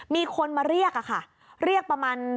มีคนมาเรียกอะค่ะเรียกประมาณ